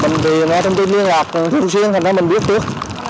mình thì nghe thông tin liên lạc thường xuyên thành ra mình biết trước